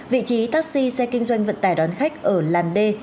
vị trí taxi xe kinh doanh vận tải đón khách ở làn d